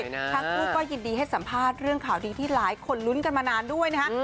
ทั้งคู่ก็ยินดีให้สัมภาษณ์เรื่องข่าวดีที่หลายคนลุ้นกันมานานด้วยนะฮะ